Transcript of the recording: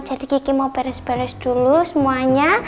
jadi kiki mau beres beres dulu semuanya